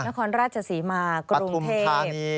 นครราชสีมากประถุมธนีย์